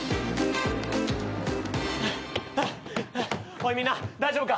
おいみんな大丈夫か？